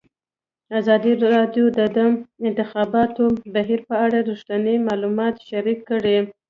ازادي راډیو د د انتخاباتو بهیر په اړه رښتیني معلومات شریک کړي.